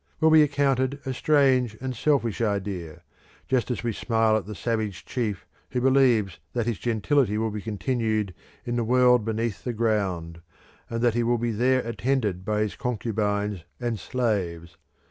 ) will be accounted a strange and selfish idea, just as we smile at the savage chief who believes that his gentility will be continued in the world beneath the ground, and that he will there be attended by his concubines and slaves.